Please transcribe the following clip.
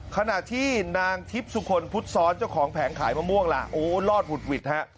ขณะที่นางทิพย์สุคลพุทธศรเจ้าของแผงขายมะม่วงลอทหุด